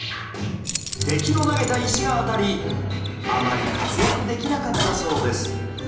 敵の投げた石が当たりあまり活躍できなかったそうです